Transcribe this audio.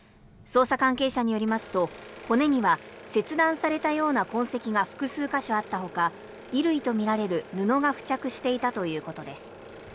捜査関係者によりますと骨には切断されたような痕跡が複数箇所あったほか衣類とみられる布が付着していたということです。